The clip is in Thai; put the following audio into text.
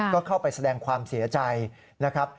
ก็เข้าไปแสดงความเสียใจนะครับ